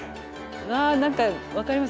わ何か分かります。